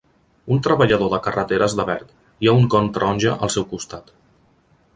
Un treballador de carreteres de verd. Hi ha un con taronja al seu costat.